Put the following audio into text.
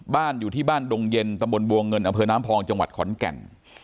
อยู่ที่บ้านดงเย็นตำบลบัวเงินอำเภอน้ำพองจังหวัดขอนแก่น